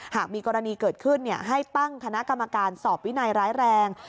หากมีกรณีเกิดขึ้นให้ตั้งคณะกรรมการสอบวินัยร้ายแรง